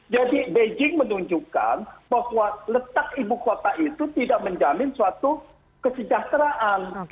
jadi beijing menunjukkan bahwa letak ibu kota itu tidak menjamin suatu kesejahteraan